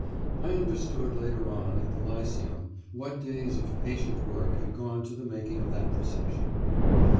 I understood later on, at the Lyceum, what days of patient work had gone to the making of that procession.